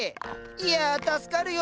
いや助かるよ。